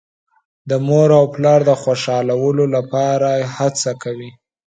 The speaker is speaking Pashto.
د مور او پلار د خوشحالولو لپاره هڅه کوي.